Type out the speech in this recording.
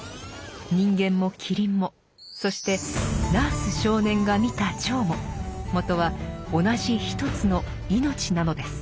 人間もキリンもそしてナース少年が見た蝶ももとは同じ一つの「命」なのです。